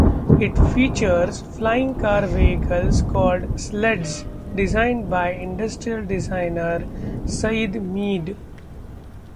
It features flying car vehicles, called sleds, designed by industrial designer Syd Mead.